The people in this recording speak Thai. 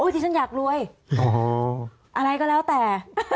ที่ฉันอยากรวยอะไรก็แล้วแต่